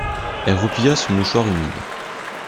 Elle replia son mouchoir humide.